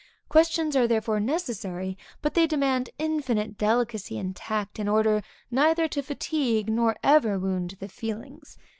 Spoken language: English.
Questions are therefore necessary, but they demand infinite delicacy and tact, in order neither to fatigue nor ever wound the feelings.